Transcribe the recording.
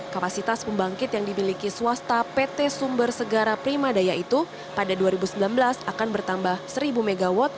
kapasitas pembangkit yang dimiliki swasta pt sumber segara primadaya itu pada dua ribu sembilan belas akan bertambah seribu mw